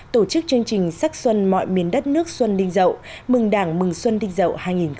tổ chức chương trình sắc xuân mọi miền đất nước xuân đinh dậu mừng đảng mừng xuân đinh dậu hai nghìn một mươi bảy